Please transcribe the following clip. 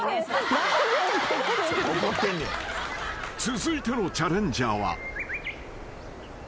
［続いてのチャレンジャーは］